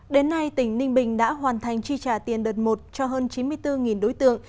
đến nay tỉnh ninh bình đã hoàn thành chi trả tiền đợt một cho hơn chín mươi bốn đối tượng